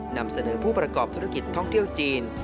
นำเสนอผู้ประกอบธุรกิจท่องเที่ยวจีน